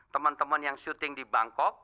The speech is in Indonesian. teman teman yang syuting di bangkok